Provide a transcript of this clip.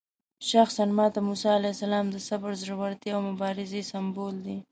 شخصاً ماته موسی علیه السلام د صبر، زړورتیا او مبارزې سمبول دی.